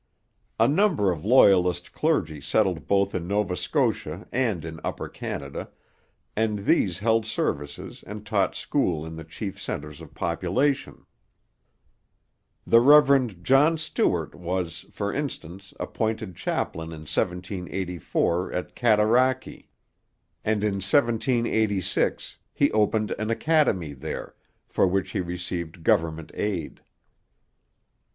A number of Loyalist clergy settled both in Nova Scotia and in Upper Canada, and these held services and taught school in the chief centres of population. The Rev. John Stuart was, for instance, appointed chaplain in 1784 at Cataraqui; and in 1786 he opened an academy there, for which he received government aid.